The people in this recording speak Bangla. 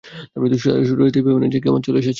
স্যার শুধু এটাই ভেবে নেন কেয়ামত চলে এসেছে।